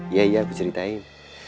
iya iya aku ceritain